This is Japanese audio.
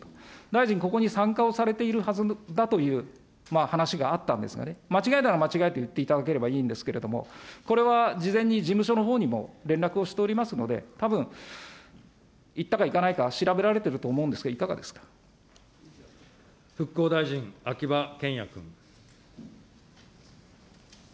大臣ここに参加をされているはずだという話があったんですがね、間違いなら間違えと言っていただいていいんですけれども、これは事前に事務所のほうにも連絡をしておりますので、たぶん、行ったか行かないか、調べられていると思うんですけれども、いかがです復興大臣、秋葉賢也君。